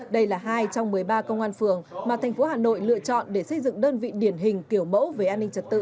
đây là hai trong một mươi ba công an phường mà thành phố hà nội lựa chọn để xây dựng đơn vị điển hình kiểu mẫu về an ninh trật tự